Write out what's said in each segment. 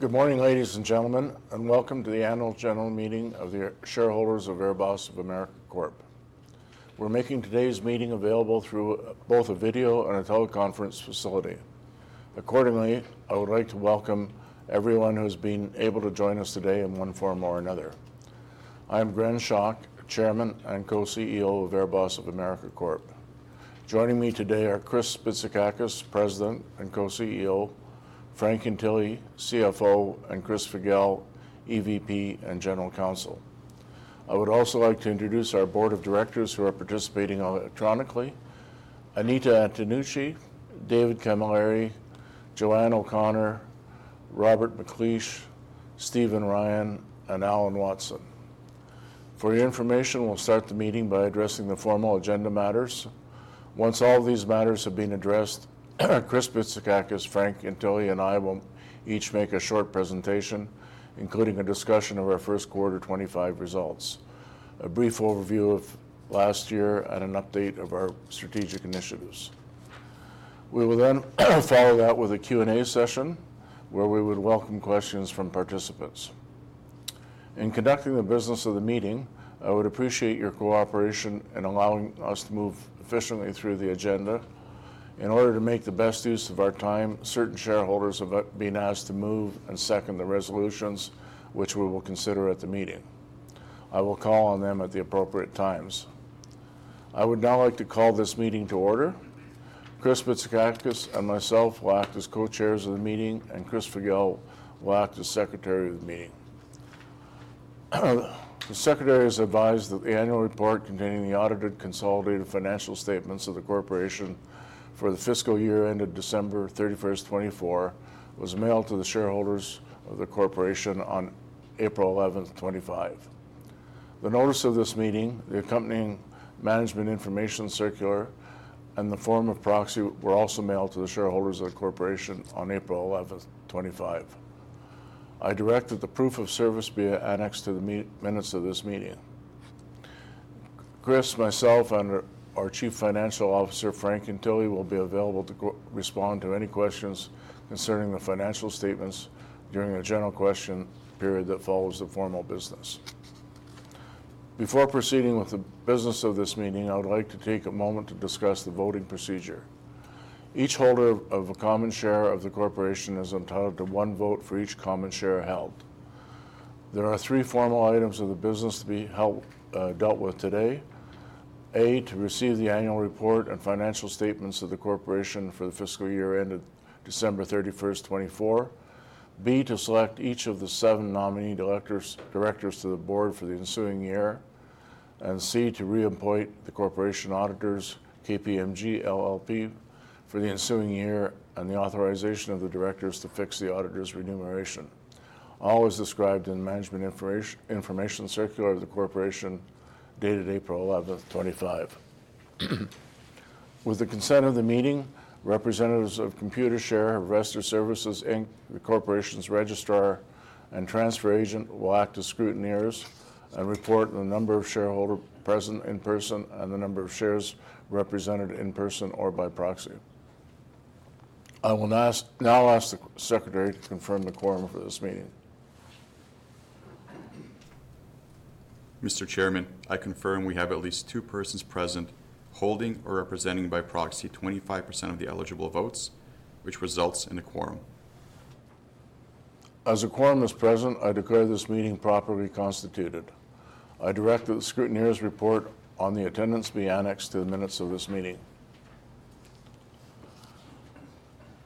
Good morning, ladies and gentlemen, and welcome to the annual general meeting of the shareholders of AirBoss of America Corp. We're making today's meeting available through both a video and a teleconference facility. Accordingly, I would like to welcome everyone who's been able to join us today in one form or another. I'm Gren Schoch, Chairman and Co-CEO of AirBoss of America Corp. Joining me today are Chris Bitsakakis, President and Co-CEO; Frank Ientile, CFO; and Chris Figel, EVP and General Counsel. I would also like to introduce our Board of Directors who are participating electronically: Anita Antonucci, David Camilleri, Joanne O'Connor, Robert McLeish, Stephen Ryan, and Alan Watson. For your information, we'll start the meeting by addressing the formal agenda matters. Once all of these matters have been addressed, Chris Bitsakakis, Frank Ientile, and I will each make a short presentation, including a discussion of our first quarter 2025 results, a brief overview of last year, and an update of our strategic initiatives. We will then follow that with a Q&A session where we would welcome questions from participants. In conducting the business of the meeting, I would appreciate your cooperation in allowing us to move efficiently through the agenda. In order to make the best use of our time, certain shareholders have been asked to move and second the resolutions, which we will consider at the meeting. I will call on them at the appropriate times. I would now like to call this meeting to order. Chris Bitsakakis and myself will act as co-chairs of the meeting, and Chris Figel will act as Secretary of the meeting. The Secretary has advised that the annual report containing the audited consolidated financial statements of the corporation for the fiscal year ended December 31, 2024, was mailed to the shareholders of the corporation on April 11, 2025. The notice of this meeting, the accompanying management information circular, and the form of proxy were also mailed to the shareholders of the corporation on April 11, 2025. I directed the proof of service be annexed to the minutes of this meeting. Chris, myself, and our Chief Financial Officer, Frank Ientile, will be available to respond to any questions concerning the financial statements during a general question period that follows the formal business. Before proceeding with the business of this meeting, I would like to take a moment to discuss the voting procedure. Each holder of a common share of the corporation is entitled to one vote for each common share held. There are three formal items of the business to be dealt with today: A, to receive the annual report and financial statements of the corporation for the fiscal year ended December 31, 2024; B, to select each of the seven nominee directors to the board for the ensuing year; and C, to reappoint the corporation auditors, KPMG LLP, for the ensuing year and the authorization of the directors to fix the auditor's remuneration, all as described in the management information circular of the corporation dated April 11, 2025. With the consent of the meeting, representatives of Computershare Inc., the corporation's registrar and transfer agent, will act as scrutineers and report the number of shareholders present in person and the number of shares represented in person or by proxy. I will now ask the Secretary to confirm the quorum for this meeting. Mr. Chairman, I confirm we have at least two persons present holding or representing by proxy 25% of the eligible votes, which results in a quorum. As a quorum is present, I declare this meeting properly constituted. I direct that the scrutineers report on the attendance be annexed to the minutes of this meeting.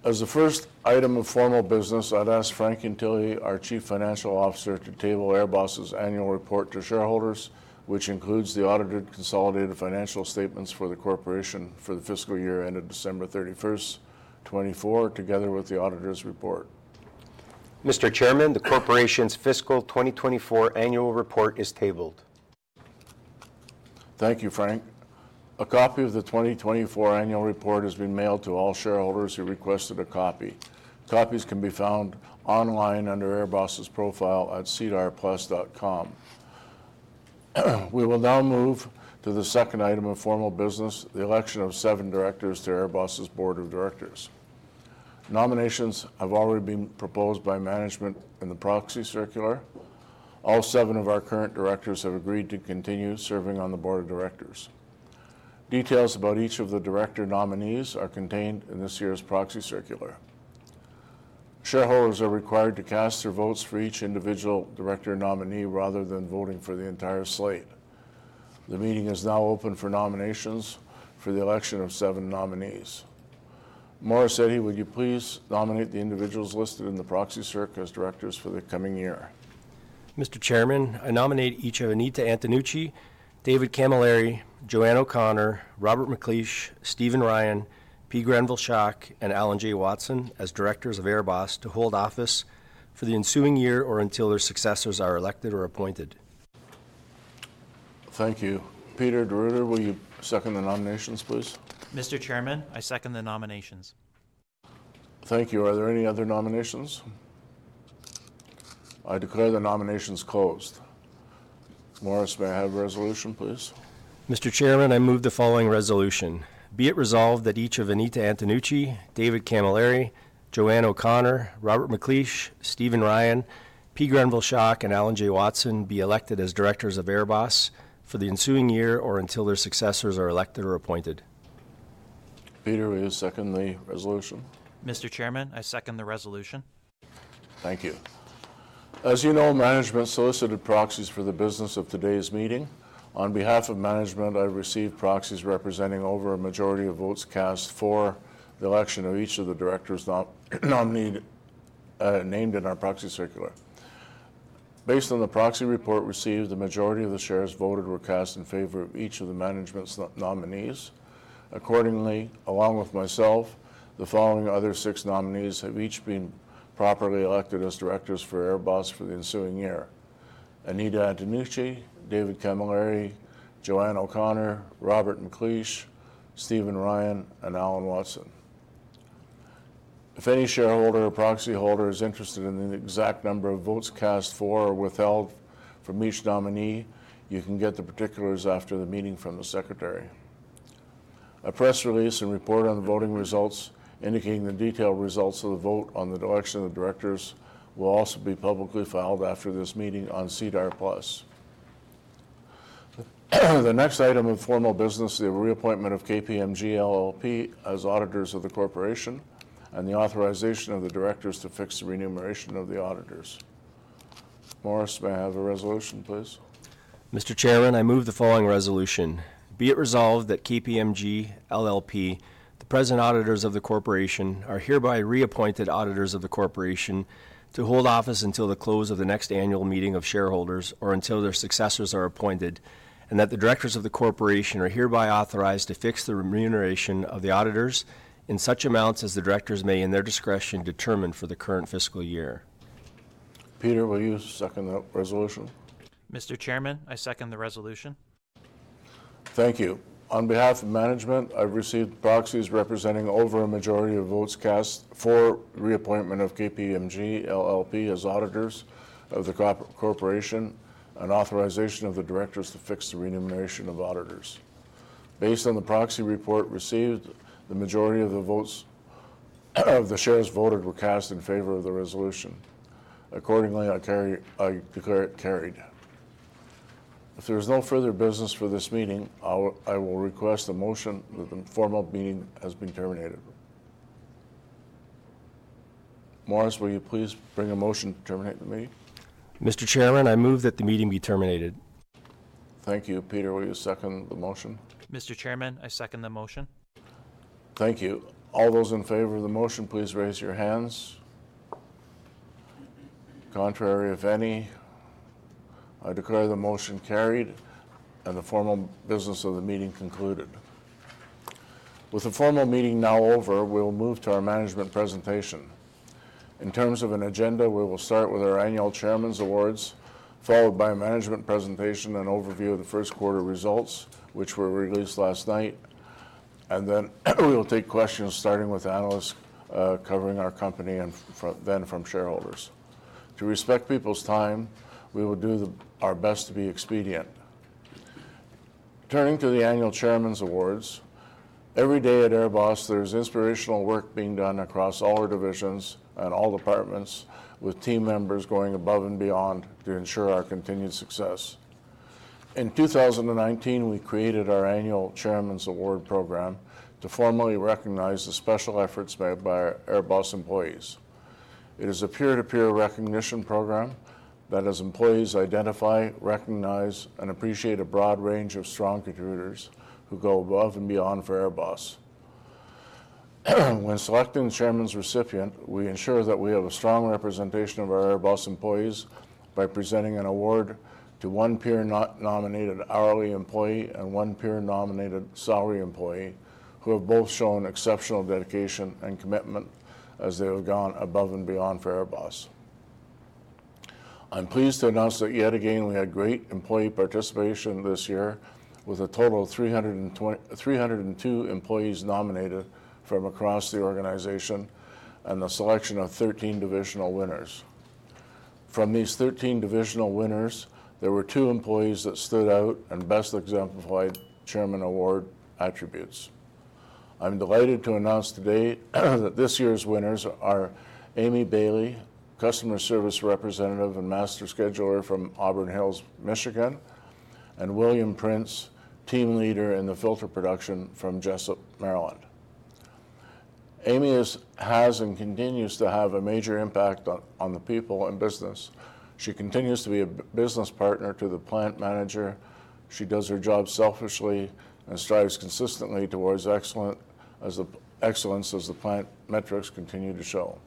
As the first item of formal business, I'd ask Frank Ientile, our Chief Financial Officer, to table AirBoss's annual report to shareholders, which includes the audited consolidated financial statements for the corporation for the fiscal year ended December 31, 2024, together with the auditor's report. Mr. Chairman, the corporation's fiscal 2024 annual report is tabled. Thank you, Frank. A copy of the 2024 annual report has been mailed to all shareholders who requested a copy. Copies can be found online under AirBoss's profile at sedarplus.com. We will now move to the second item of formal business, the election of seven directors to AirBoss's board of directors. Nominations have already been proposed by management in the proxy circular. All seven of our current directors have agreed to continue serving on the board of directors. Details about each of the director nominees are contained in this year's proxy circular. Shareholders are required to cast their votes for each individual director nominee rather than voting for the entire slate. The meeting is now open for nominations for the election of seven nominees. Morris Eddy, would you please nominate the individuals listed in the proxy circular as directors for the coming year? Mr. Chairman, I nominate each of Anita Antonucci, David Camilleri, Joanne O'Connor, Robert McLeish, Stephen Ryan, P. Gren Schoch, and Alan J. Watson as directors of AirBoss to hold office for the ensuing year or until their successors are elected or appointed. Thank you. Peter Deruytter, will you second the nominations, please? Mr. Chairman, I second the nominations. Thank you. Are there any other nominations? I declare the nominations closed. Morris, may I have a resolution, please? Mr. Chairman, I move the following resolution: Be it resolved that each of Anita Antonucci, David Camilleri, Joanne O'Connor, Robert McLeish, Stephen Ryan, P. Gren Schoch, and Alan J. Watson be elected as directors of AirBoss for the ensuing year or until their successors are elected or appointed. Peter, will you second the resolution? Mr. Chairman, I second the resolution. Thank you. As you know, management solicited proxies for the business of today's meeting. On behalf of management, I received proxies representing over a majority of votes cast for the election of each of the directors named in our proxy circular. Based on the proxy report received, the majority of the shares voted were cast in favor of each of the management's nominees. Accordingly, along with myself, the following other six nominees have each been properly elected as directors for AirBoss for the ensuing year: Anita Antonucci, David Camilleri, Joanne O'Connor, Robert McLeish, Stephen Ryan, and Alan J. Watson. If any shareholder or proxy holder is interested in the exact number of votes cast for or withheld from each nominee, you can get the particulars after the meeting from the Secretary. A press release and report on the voting results, indicating the detailed results of the vote on the election of the directors, will also be publicly filed after this meeting on SEDAR+. The next item of formal business is the reappointment of KPMG LLP as auditors of the corporation and the authorization of the directors to fix the remuneration of the auditors. Morris, may I have a resolution, please? Mr. Chairman, I move the following resolution: Be it resolved that KPMG LLP, the present auditors of the corporation, are hereby reappointed auditors of the corporation to hold office until the close of the next annual meeting of shareholders or until their successors are appointed, and that the directors of the corporation are hereby authorized to fix the remuneration of the auditors in such amounts as the directors may, in their discretion, determine for the current fiscal year. Peter, will you second that resolution? Mr. Chairman, I second the resolution. Thank you. On behalf of management, I've received proxies representing over a majority of votes cast for reappointment of KPMG LLP as auditors of the corporation and authorization of the directors to fix the remuneration of auditors. Based on the proxy report received, the majority of the votes of the shares voted were cast in favor of the resolution. Accordingly, I declare it carried. If there is no further business for this meeting, I will request a motion that the formal meeting has been terminated. Morris, will you please bring a motion to terminate the meeting? Mr. Chairman, I move that the meeting be terminated. Thank you. Peter, will you second the motion? Mr. Chairman, I second the motion. Thank you. All those in favor of the motion, please raise your hands. Contrary, if any, I declare the motion carried and the formal business of the meeting concluded. With the formal meeting now over, we will move to our management presentation. In terms of an agenda, we will start with our annual chairman's awards, followed by a management presentation and overview of the first quarter results, which were released last night, and then we will take questions starting with analysts covering our company and then from shareholders. To respect people's time, we will do our best to be expedient. Turning to the annual chairman's awards, every day at AirBoss, there is inspirational work being done across all our divisions and all departments, with team members going above and beyond to ensure our continued success. In 2019, we created our annual Chairman's Award program to formally recognize the special efforts made by AirBoss employees. It is a peer-to-peer recognition program that, as employees identify, recognize, and appreciate a broad range of strong contributors who go above and beyond for AirBoss. When selecting the Chairman's Award recipient, we ensure that we have a strong representation of our AirBoss employees by presenting an award to one peer-nominated hourly employee and one peer-nominated salary employee who have both shown exceptional dedication and commitment as they have gone above and beyond for AirBoss. I'm pleased to announce that yet again we had great employee participation this year, with a total of 302 employees nominated from across the organization and the selection of 13 divisional winners. From these 13 divisional winners, there were two employees that stood out and best exemplified Chairman's Award attributes. I'm delighted to announce today that this year's winners are Amy Bailey, customer service representative and master scheduler from Auburn Hills, Michigan, and William Prince, team leader in the filter production from Jessup, Maryland. Amy has and continues to have a major impact on the people and business. She continues to be a business partner to the plant manager. She does her job selflessly and strives consistently towards excellence as the plant metrics continue to show.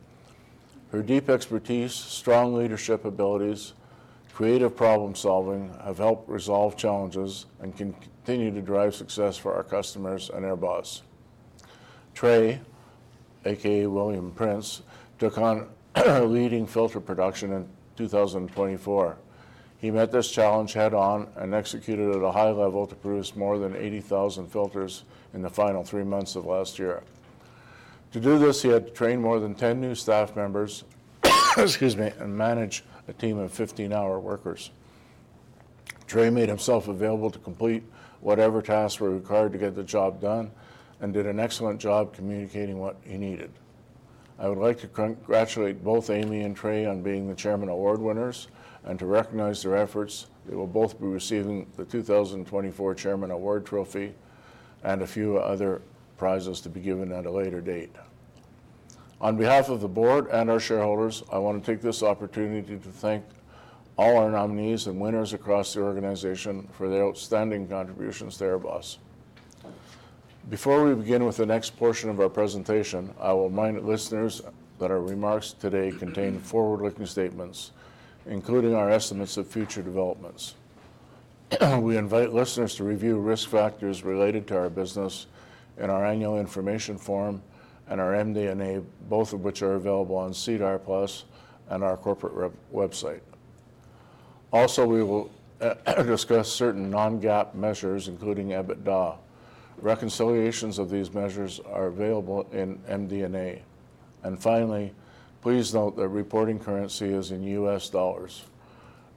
Her deep expertise, strong leadership abilities, and creative problem-solving have helped resolve challenges and continue to drive success for our customers and AirBoss. Trey, a.k.a. William Prince, took on a leading filter production in 2024. He met this challenge head-on and executed at a high level to produce more than 80,000 filters in the final three months of last year. To do this, he had to train more than 10 new staff members, excuse me, and manage a team of 15-hour workers. Trey made himself available to complete whatever tasks were required to get the job done and did an excellent job communicating what he needed. I would like to congratulate both Amy and Trey on being the Chairman Award winners and to recognize their efforts. They will both be receiving the 2024 Chairman Award trophy and a few other prizes to be given at a later date. On behalf of the board and our shareholders, I want to take this opportunity to thank all our nominees and winners across the organization for their outstanding contributions to AirBoss of America. Before we begin with the next portion of our presentation, I will remind listeners that our remarks today contain forward-looking statements, including our estimates of future developments. We invite listeners to review risk factors related to our business in our annual information form and our MD&A, both of which are available on SEDAR+ and our corporate website. Also, we will discuss certain non-GAAP measures, including EBITDA. Reconciliations of these measures are available in MD&A. Finally, please note that reporting currency is in U.S. dollars.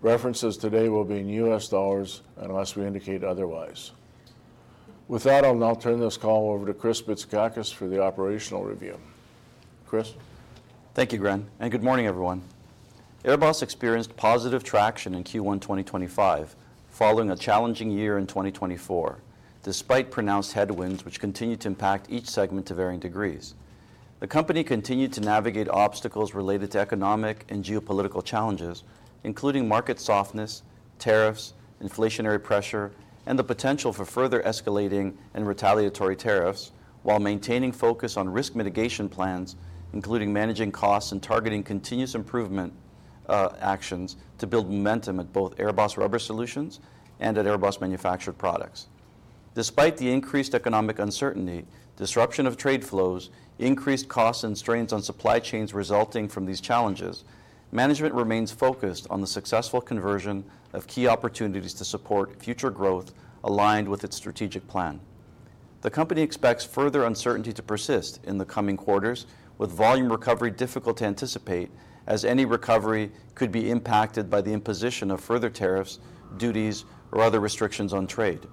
References today will be in U.S. dollars unless we indicate otherwise. With that, I'll now turn this call over to Chris Bitsakakis for the operational review. Chris. Thank you, Gren. Good morning, everyone. AirBoss experienced positive traction in Q1 2025 following a challenging year in 2024, despite pronounced headwinds which continued to impact each segment to varying degrees. The company continued to navigate obstacles related to economic and geopolitical challenges, including market softness, tariffs, inflationary pressure, and the potential for further escalating and retaliatory tariffs, while maintaining focus on risk mitigation plans, including managing costs and targeting continuous improvement actions to build momentum at both AirBoss Rubber Solutions and at AirBoss Manufactured Products. Despite the increased economic uncertainty, disruption of trade flows, increased costs, and strains on supply chains resulting from these challenges, management remains focused on the successful conversion of key opportunities to support future growth aligned with its strategic plan. The company expects further uncertainty to persist in the coming quarters, with volume recovery difficult to anticipate, as any recovery could be impacted by the imposition of further tariffs, duties, or other restrictions on trade.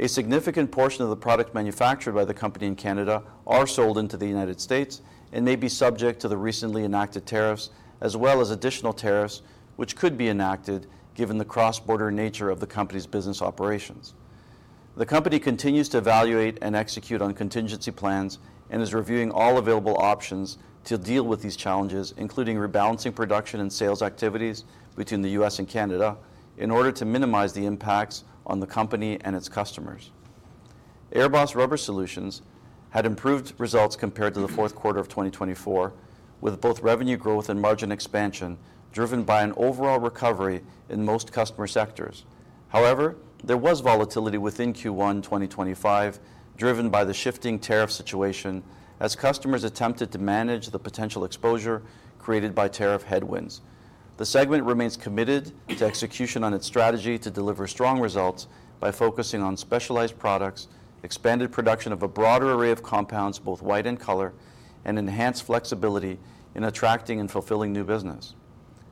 A significant portion of the products manufactured by the company in Canada are sold into the U.S. and may be subject to the recently enacted tariffs, as well as additional tariffs which could be enacted given the cross-border nature of the company's business operations. The company continues to evaluate and execute on contingency plans and is reviewing all available options to deal with these challenges, including rebalancing production and sales activities between the U.S. and Canada in order to minimize the impacts on the company and its customers. AirBoss Rubber Solutions had improved results compared to the fourth quarter of 2024, with both revenue growth and margin expansion driven by an overall recovery in most customer sectors. However, there was volatility within Q1 2025 driven by the shifting tariff situation as customers attempted to manage the potential exposure created by tariff headwinds. The segment remains committed to execution on its strategy to deliver strong results by focusing on specialized products, expanded production of a broader array of compounds, both white in color, and enhanced flexibility in attracting and fulfilling new business.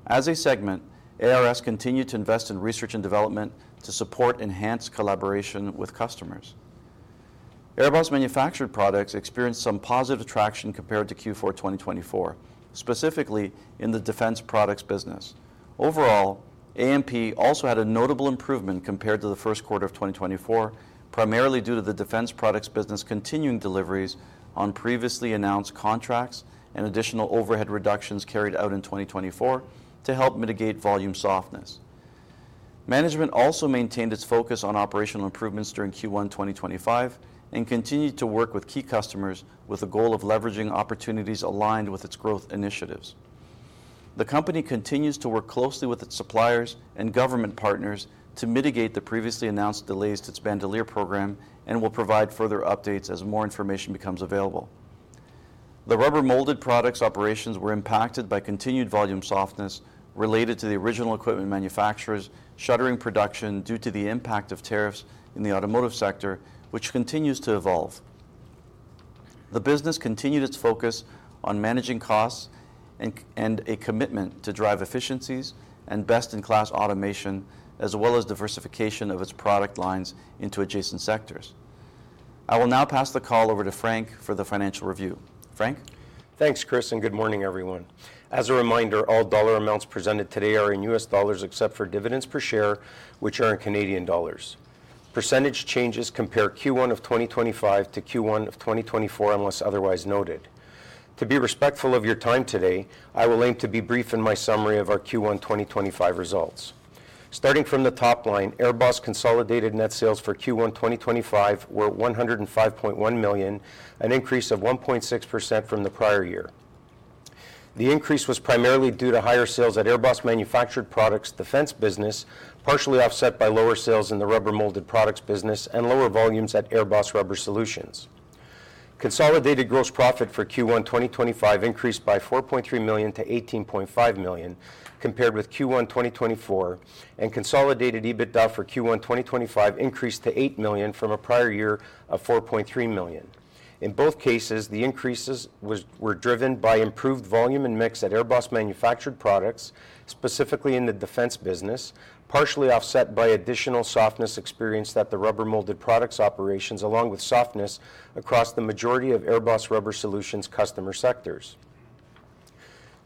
As a segment, ARS continued to invest in research and development to support enhanced collaboration with customers. AirBoss Manufactured Products experienced some positive traction compared to Q4 2024, specifically in the defense products business. Overall, A&P also had a notable improvement compared to the first quarter of 2024, primarily due to the defense products business continuing deliveries on previously announced contracts and additional overhead reductions carried out in 2024 to help mitigate volume softness. Management also maintained its focus on operational improvements during Q1 2025 and continued to work with key customers with the goal of leveraging opportunities aligned with its growth initiatives. The company continues to work closely with its suppliers and government partners to mitigate the previously announced delays to its Bandolier program and will provide further updates as more information becomes available. The rubber-molded products operations were impacted by continued volume softness related to the original equipment manufacturers shuttering production due to the impact of tariffs in the automotive sector, which continues to evolve. The business continued its focus on managing costs and a commitment to drive efficiencies and best-in-class automation, as well as diversification of its product lines into adjacent sectors. I will now pass the call over to Frank for the financial review. Frank. Thanks, Chris, and good morning, everyone. As a reminder, all dollar amounts presented today are in U.S. dollars except for dividends per share, which are in CAD. Percentage changes compare Q1 of 2025 to Q1 of 2024 unless otherwise noted. To be respectful of your time today, I will aim to be brief in my summary of our Q1 2025 results. Starting from the top line, AirBoss of America consolidated net sales for Q1 2025 were $105.1 million, an increase of 1.6% from the prior year. The increase was primarily due to higher sales at AirBoss Manufactured Products defense business, partially offset by lower sales in the rubber-molded products business and lower volumes at AirBoss Rubber Solutions. Consolidated gross profit for Q1 2025 increased by $4.3 million to $18.5 million compared with Q1 2024, and consolidated EBITDA for Q1 2025 increased to $8 million from a prior year of $4.3 million. In both cases, the increases were driven by improved volume and mix at AirBoss Manufactured Products, specifically in the defense business, partially offset by additional softness experienced at the rubber-molded products operations, along with softness across the majority of AirBoss Rubber Solutions customer sectors.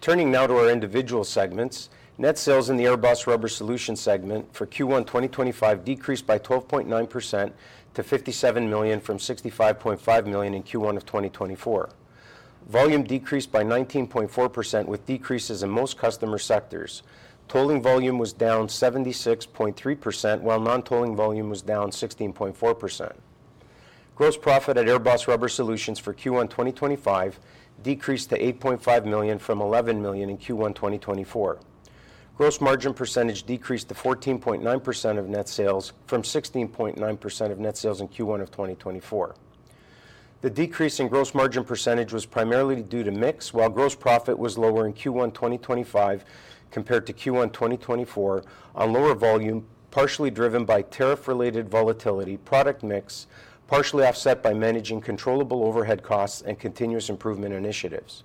Turning now to our individual segments, net sales in the AirBoss Rubber Solutions segment for Q1 2025 decreased by 12.9% to $57 million from $65.5 million in Q1 of 2024. Volume decreased by 19.4% with decreases in most customer sectors. Tolling volume was down 76.3%, while non-tolling volume was down 16.4%. Gross profit at AirBoss Rubber Solutions for Q1 2025 decreased to $8.5 million from $11 million in Q1 2024. Gross margin percentage decreased to 14.9% of net sales from 16.9% of net sales in Q1 of 2024. The decrease in gross margin percentage was primarily due to mix, while gross profit was lower in Q1 2025 compared to Q1 2024 on lower volume, partially driven by tariff-related volatility, product mix, partially offset by managing controllable overhead costs and continuous improvement initiatives.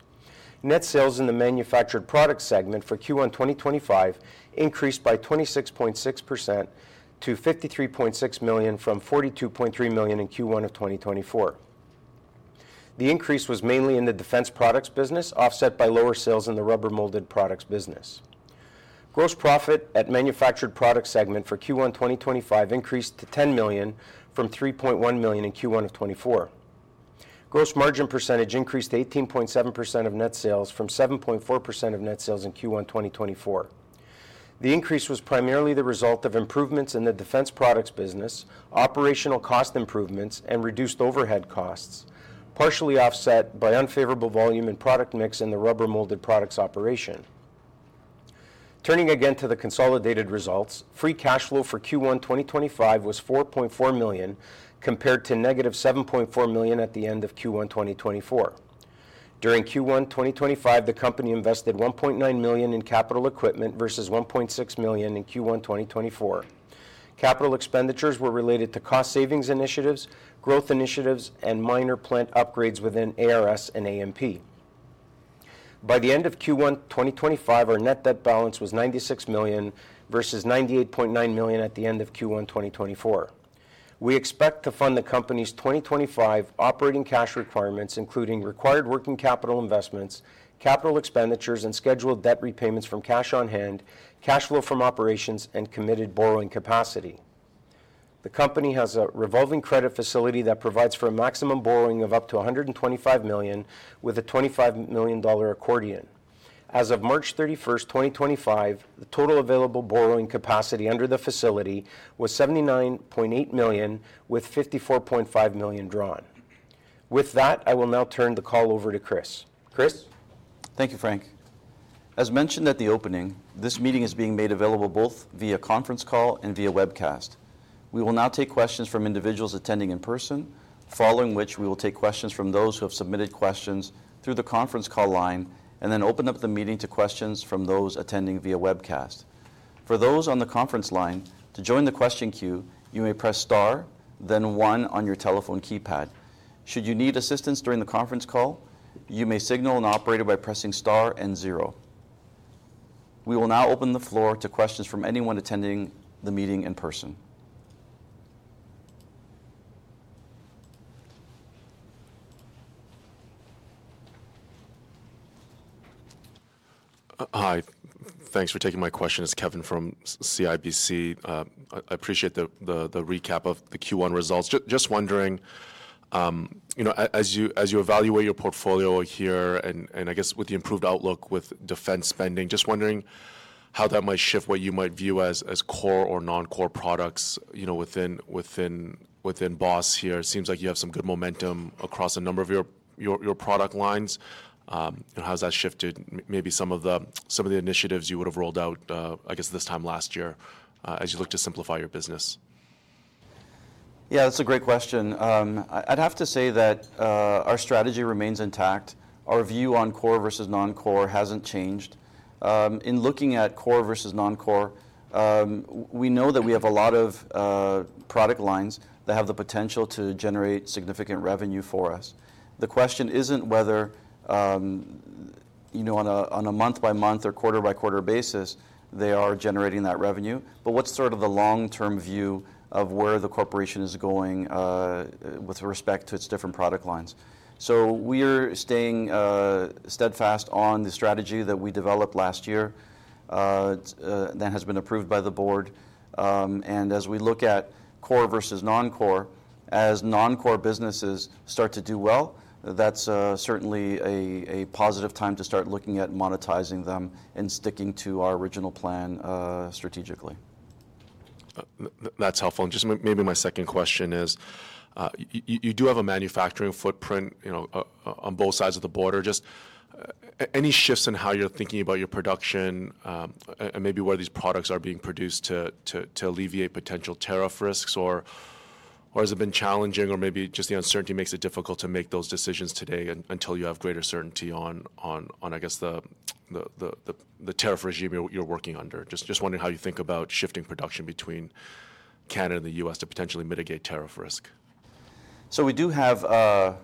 Net sales in the manufactured products segment for Q1 2025 increased by 26.6% to $53.6 million from $42.3 million in Q1 of 2024. The increase was mainly in the defense products business, offset by lower sales in the rubber-molded products business. Gross profit at manufactured products segment for Q1 2025 increased to $10 million from $3.1 million in Q1 of 2024. Gross margin percentage increased to 18.7% of net sales from 7.4% of net sales in Q1 2024. The increase was primarily the result of improvements in the defense products business, operational cost improvements, and reduced overhead costs, partially offset by unfavorable volume and product mix in the rubber-molded products operation. Turning again to the consolidated results, free cash flow for Q1 2025 was $4.4 million compared to negative $7.4 million at the end of Q1 2024. During Q1 2025, the company invested $1.9 million in capital equipment versus $1.6 million in Q1 2024. Capital expenditures were related to cost savings initiatives, growth initiatives, and minor plant upgrades within ARS and A&P. By the end of Q1 2025, our net debt balance was $96 million versus $98.9 million at the end of Q1 2024. We expect to fund the company's 2025 operating cash requirements, including required working capital investments, capital expenditures, and scheduled debt repayments from cash on hand, cash flow from operations, and committed borrowing capacity. The company has a revolving credit facility that provides for a maximum borrowing of up to $125 million with a $25 million accordion. As of March 31, 2025, the total available borrowing capacity under the facility was $79.8 million, with $54.5 million drawn. With that, I will now turn the call over to Chris. Chris. Thank you, Frank. As mentioned at the opening, this meeting is being made available both via conference call and via webcast. We will now take questions from individuals attending in person, following which we will take questions from those who have submitted questions through the conference call line and then open up the meeting to questions from those attending via webcast. For those on the conference line, to join the question queue, you may press star, then one on your telephone keypad. Should you need assistance during the conference call, you may signal an operator by pressing star and zero. We will now open the floor to questions from anyone attending the meeting in person. Hi. Thanks for taking my question. It's Kevin from CIBC. I appreciate the recap of the Q1 results. Just wondering, as you evaluate your portfolio here and I guess with the improved outlook with defense spending, just wondering how that might shift what you might view as core or non-core products within Boss here. It seems like you have some good momentum across a number of your product lines. How has that shifted maybe some of the initiatives you would have rolled out, I guess, this time last year as you look to simplify your business? Yeah, that's a great question. I'd have to say that our strategy remains intact. Our view on core versus non-core hasn't changed. In looking at core versus non-core, we know that we have a lot of product lines that have the potential to generate significant revenue for us. The question isn't whether on a month-by-month or quarter-by-quarter basis they are generating that revenue, but what's sort of the long-term view of where the corporation is going with respect to its different product lines. We are staying steadfast on the strategy that we developed last year that has been approved by the board. As we look at core versus non-core, as non-core businesses start to do well, that's certainly a positive time to start looking at monetizing them and sticking to our original plan strategically. That's helpful. Maybe my second question is, you do have a manufacturing footprint on both sides of the border. Just any shifts in how you're thinking about your production and maybe where these products are being produced to alleviate potential tariff risks, or has it been challenging, or maybe just the uncertainty makes it difficult to make those decisions today until you have greater certainty on, I guess, the tariff regime you're working under? Just wondering how you think about shifting production between Canada and the U.S. to potentially mitigate tariff risk. We do have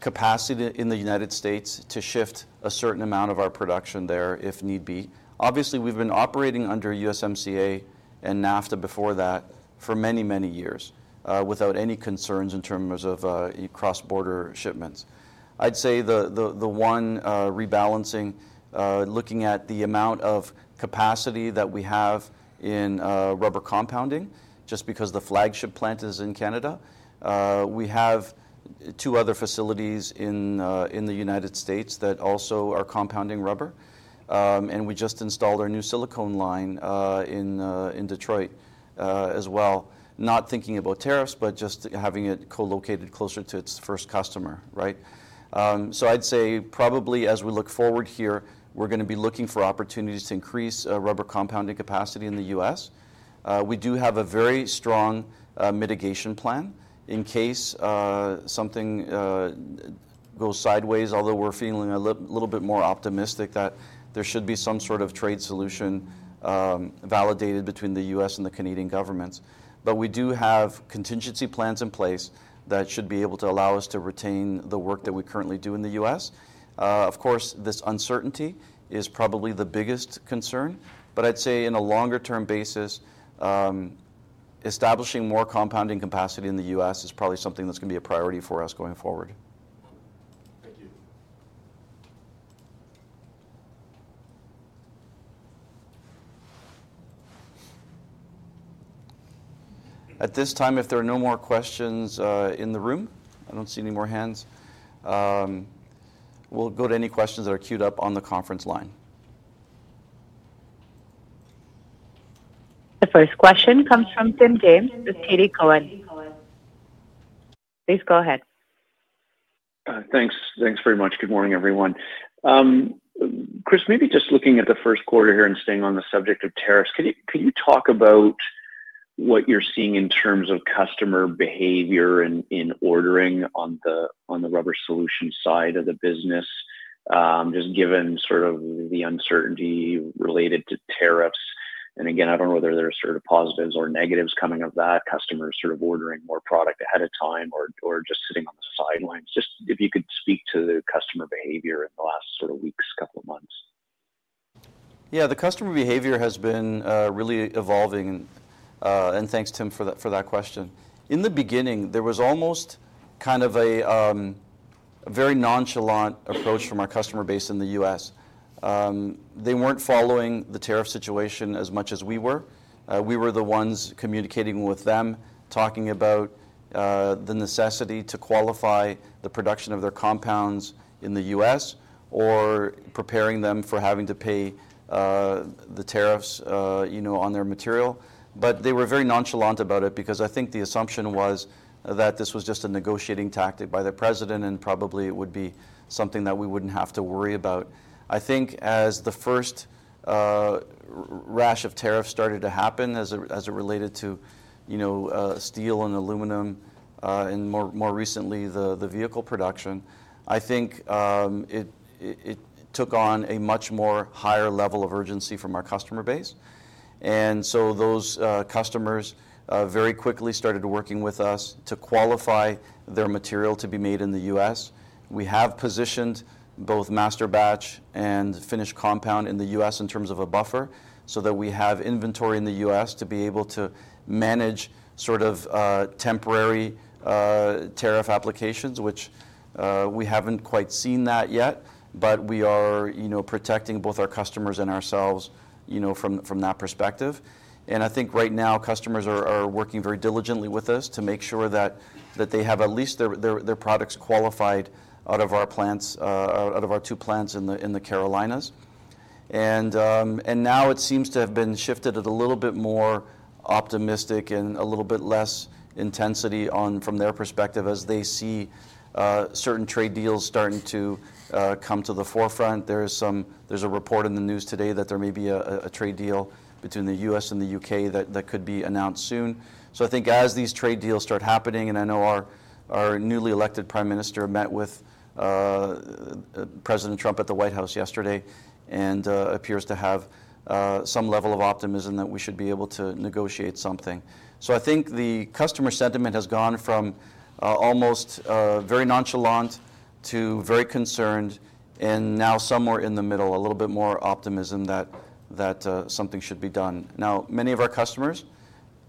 capacity in the United States to shift a certain amount of our production there if need be. Obviously, we've been operating under USMCA and NAFTA before that for many, many years without any concerns in terms of cross-border shipments. I'd say the one rebalancing, looking at the amount of capacity that we have in rubber compounding, just because the flagship plant is in Canada. We have two other facilities in the United States that also are compounding rubber, and we just installed our new silicone line in Detroit as well, not thinking about tariffs, but just having it co-located closer to its first customer, right? I'd say probably as we look forward here, we're going to be looking for opportunities to increase rubber compounding capacity in the U.S. We do have a very strong mitigation plan in case something goes sideways, although we're feeling a little bit more optimistic that there should be some sort of trade solution validated between the U.S. and the Canadian governments. We do have contingency plans in place that should be able to allow us to retain the work that we currently do in the U.S. Of course, this uncertainty is probably the biggest concern, but I'd say in a longer-term basis, establishing more compounding capacity in the U.S. is probably something that's going to be a priority for us going forward. Thank you. At this time, if there are no more questions in the room, I do not see any more hands. We will go to any questions that are queued up on the conference line. The first question comes from Tim James with TD Cowen. Please go ahead. Thanks very much. Good morning, everyone. Chris, maybe just looking at the first quarter here and staying on the subject of tariffs, could you talk about what you're seeing in terms of customer behavior in ordering on the rubber solution side of the business, just given sort of the uncertainty related to tariffs? I don't know whether there are sort of positives or negatives coming of that, customers sort of ordering more product ahead of time or just sitting on the sidelines. Just if you could speak to the customer behavior in the last sort of weeks, couple of months. Yeah, the customer behavior has been really evolving, and thanks, Tim, for that question. In the beginning, there was almost kind of a very nonchalant approach from our customer base in the U.S. They were not following the tariff situation as much as we were. We were the ones communicating with them, talking about the necessity to qualify the production of their compounds in the U.S. or preparing them for having to pay the tariffs on their material. They were very nonchalant about it because I think the assumption was that this was just a negotiating tactic by the president and probably it would be something that we would not have to worry about. I think as the first rash of tariffs started to happen, as it related to steel and aluminum, and more recently the vehicle production, I think it took on a much more higher level of urgency from our customer base. Those customers very quickly started working with us to qualify their material to be made in the U.S. We have positioned both master batch and finished compound in the U.S. in terms of a buffer so that we have inventory in the U.S. to be able to manage sort of temporary tariff applications, which we have not quite seen yet, but we are protecting both our customers and ourselves from that perspective. I think right now customers are working very diligently with us to make sure that they have at least their products qualified out of our plants, out of our two plants in the Carolinas. It now seems to have been shifted to a little bit more optimistic and a little bit less intensity from their perspective as they see certain trade deals starting to come to the forefront. There is a report in the news today that there may be a trade deal between the U.S. and the U.K. that could be announced soon. I think as these trade deals start happening, and I know our newly elected Prime Minister met with President Trump at the White House yesterday and appears to have some level of optimism that we should be able to negotiate something. I think the customer sentiment has gone from almost very nonchalant to very concerned and now somewhere in the middle, a little bit more optimism that something should be done. Now, many of our customers,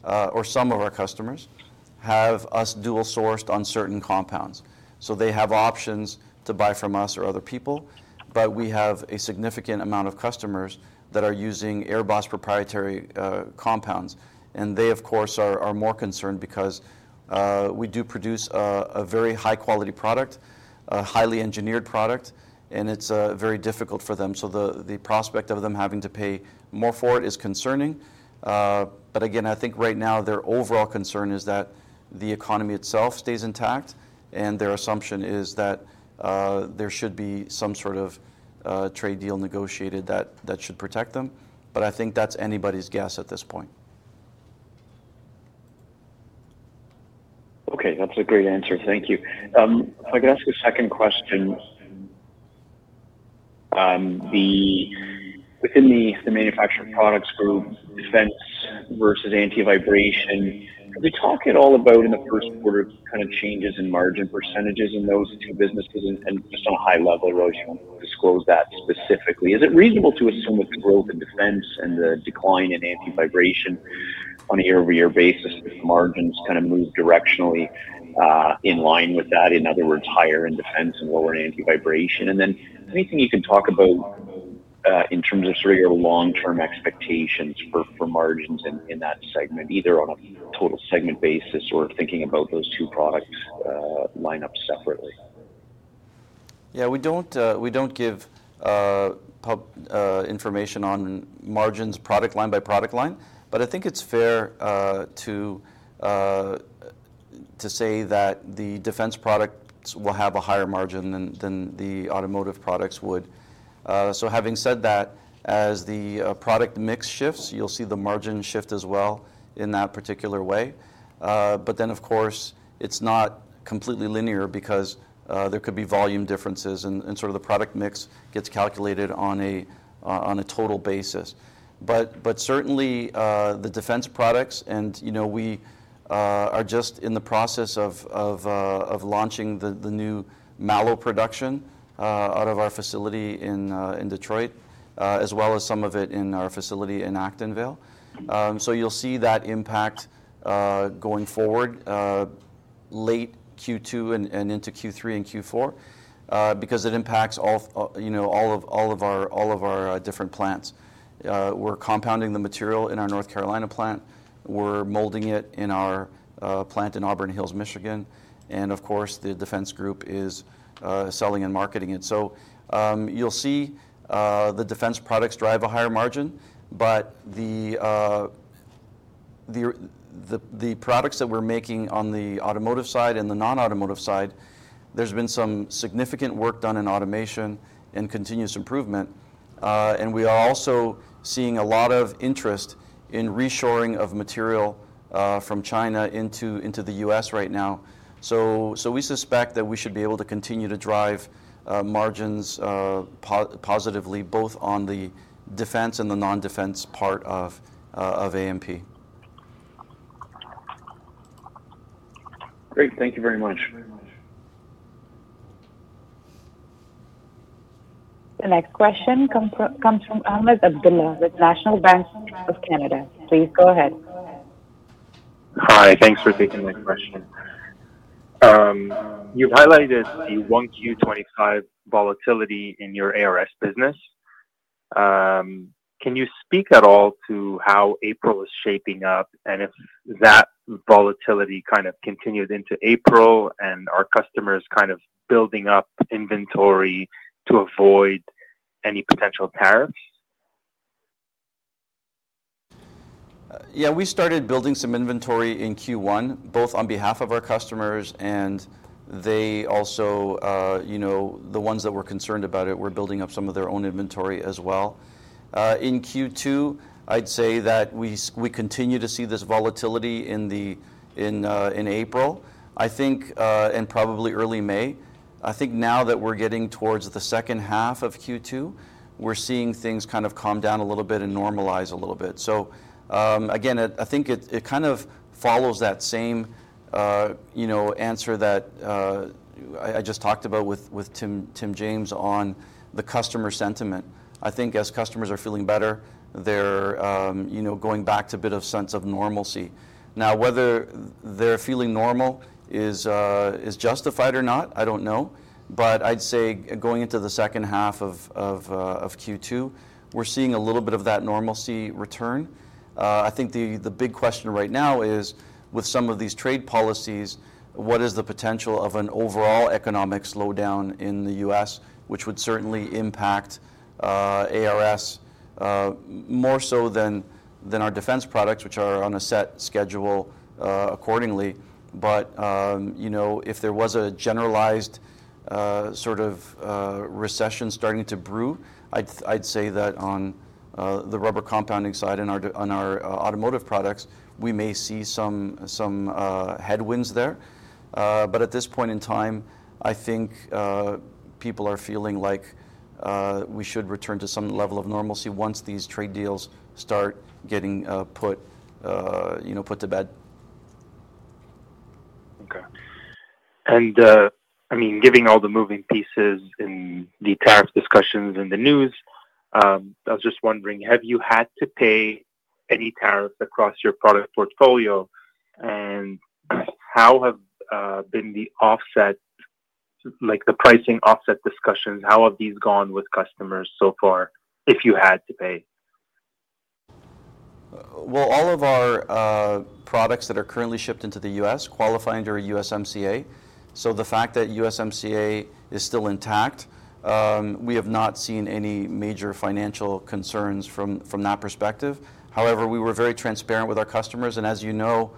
or some of our customers, have us dual-sourced on certain compounds. They have options to buy from us or other people, but we have a significant amount of customers that are using AirBoss proprietary compounds. They, of course, are more concerned because we do produce a very high-quality product, a highly engineered product, and it is very difficult for them. The prospect of them having to pay more for it is concerning. Again, I think right now their overall concern is that the economy itself stays intact, and their assumption is that there should be some sort of trade deal negotiated that should protect them. I think that is anybody's guess at this point. Okay, that's a great answer. Thank you. If I could ask a second question. Within the manufacturing products group, defense versus antivibration, could we talk at all about in the first quarter kind of changes in margin percentages in those two businesses? Just on a high level, I always disclose that specifically. Is it reasonable to assume with growth in defense and the decline in antivibration on a year-over-year basis, margins kind of move directionally in line with that? In other words, higher in defense and lower in antivibration. Anything you can talk about in terms of sort of your long-term expectations for margins in that segment, either on a total segment basis or thinking about those two products lined up separately? Yeah, we don't give information on margins, product line by product line, but I think it's fair to say that the defense products will have a higher margin than the automotive products would. Having said that, as the product mix shifts, you'll see the margin shift as well in that particular way. Of course, it's not completely linear because there could be volume differences and sort of the product mix gets calculated on a total basis. Certainly, the defense products, and we are just in the process of launching the new Mallow production out of our facility in Detroit, as well as some of it in our facility in Acton Vale. You'll see that impact going forward, late Q2 and into Q3 and Q4, because it impacts all of our different plants. We're compounding the material in our North Carolina plant. We're molding it in our plant in Auburn Hills, Michigan. Of course, the defense group is selling and marketing it. You'll see the defense products drive a higher margin, but the products that we're making on the automotive side and the non-automotive side, there's been some significant work done in automation and continuous improvement. We are also seeing a lot of interest in reshoring of material from China into the U.S. right now. We suspect that we should be able to continue to drive margins positively, both on the defense and the non-defense part of A&P. Great. Thank you very much. The next question comes from Ahmed Abdullah with National Bank of Canada. Please go ahead. Hi, thanks for taking my question. You've highlighted the 1Q25 volatility in your ARS business. Can you speak at all to how April is shaping up and if that volatility kind of continued into April and are customers kind of building up inventory to avoid any potential tariffs? Yeah, we started building some inventory in Q1, both on behalf of our customers and they also, the ones that were concerned about it, were building up some of their own inventory as well. In Q2, I'd say that we continue to see this volatility in April, I think, and probably early May. I think now that we're getting towards the second half of Q2, we're seeing things kind of calm down a little bit and normalize a little bit. Again, I think it kind of follows that same answer that I just talked about with Tim James on the customer sentiment. I think as customers are feeling better, they're going back to a bit of sense of normalcy. Now, whether they're feeling normal is justified or not, I don't know. I'd say going into the second half of Q2, we're seeing a little bit of that normalcy return. I think the big question right now is, with some of these trade policies, what is the potential of an overall economic slowdown in the U.S., which would certainly impact ARS more so than our defense products, which are on a set schedule accordingly. If there was a generalized sort of recession starting to brew, I'd say that on the rubber compounding side and our automotive products, we may see some headwinds there. At this point in time, I think people are feeling like we should return to some level of normalcy once these trade deals start getting put to bed. Okay. I mean, giving all the moving pieces in the tariff discussions in the news, I was just wondering, have you had to pay any tariffs across your product portfolio? How have been the offset, like the pricing offset discussions, how have these gone with customers so far, if you had to pay? All of our products that are currently shipped into the U.S. qualify under USMCA. The fact that USMCA is still intact, we have not seen any major financial concerns from that perspective. However, we were very transparent with our customers. And as you know,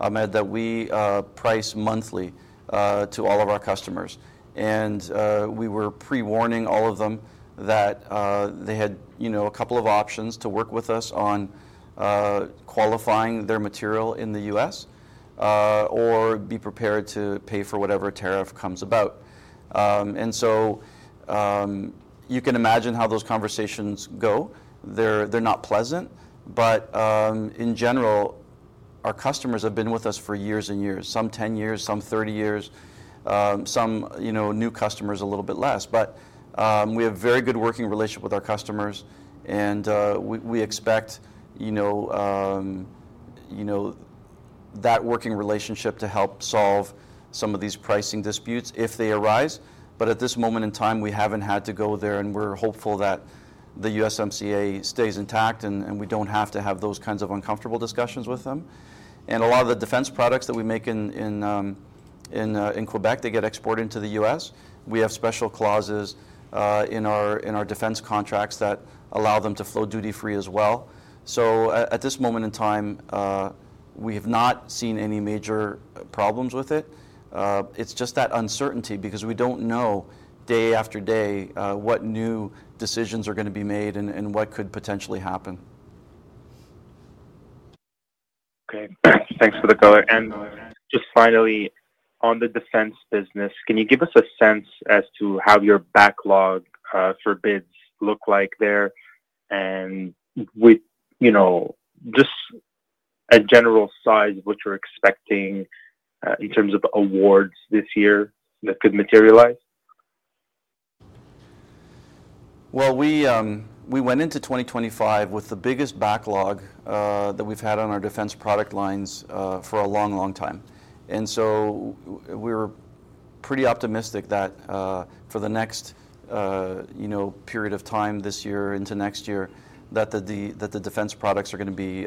Ahmed, we price monthly to all of our customers. We were pre-warning all of them that they had a couple of options to work with us on qualifying their material in the U.S. or be prepared to pay for whatever tariff comes about. You can imagine how those conversations go. They're not pleasant, but in general, our customers have been with us for years and years, some 10 years, some 30 years, some new customers a little bit less. We have very good working relationships with our customers, and we expect that working relationship to help solve some of these pricing disputes if they arise. At this moment in time, we have not had to go there, and we are hopeful that the U.S. MCA stays intact and we do not have to have those kinds of uncomfortable discussions with them. A lot of the defense products that we make in Quebec get exported to the U.S. We have special clauses in our defense contracts that allow them to flow duty-free as well. At this moment in time, we have not seen any major problems with it. It is just that uncertainty because we do not know day after day what new decisions are going to be made and what could potentially happen. Okay. Thanks for the color. Just finally, on the defense business, can you give us a sense as to how your backlog for bids looks like there and just a general size of what you're expecting in terms of awards this year that could materialize? We went into 2025 with the biggest backlog that we've had on our defense product lines for a long, long time. We were pretty optimistic that for the next period of time this year into next year, the defense products are going to be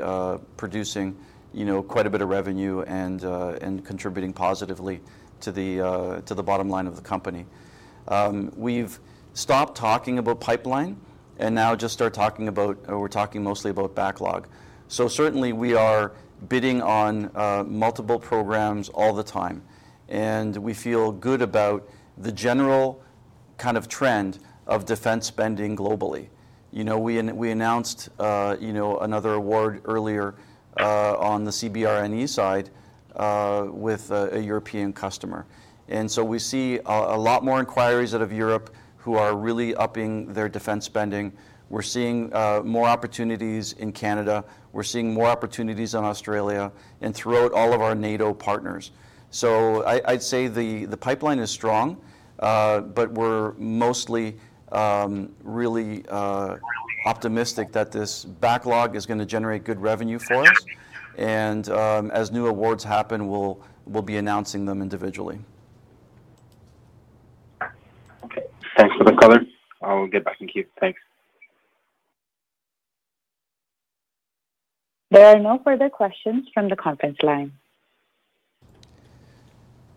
producing quite a bit of revenue and contributing positively to the bottom line of the company. We've stopped talking about pipeline and now just started talking about, or we're talking mostly about backlog. Certainly, we are bidding on multiple programs all the time. We feel good about the general kind of trend of defense spending globally. We announced another award earlier on the CBRNE side with a European customer. We see a lot more inquiries out of Europe who are really upping their defense spending. We're seeing more opportunities in Canada. We're seeing more opportunities in Australia and throughout all of our NATO partners. I'd say the pipeline is strong, but we're mostly really optimistic that this backlog is going to generate good revenue for us. As new awards happen, we'll be announcing them individually. Okay. Thanks for the color. I'll get back in queue. Thanks. There are no further questions from the conference line.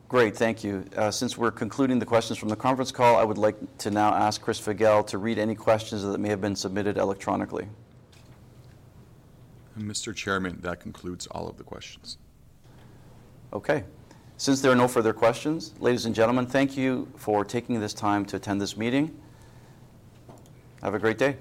Great. Thank you. Since we're concluding the questions from the conference call, I would like to now ask Chris Figel to read any questions that may have been submitted electronically. Mr. Chairman, that concludes all of the questions. Okay. Since there are no further questions, ladies and gentlemen, thank you for taking this time to attend this meeting. Have a great day.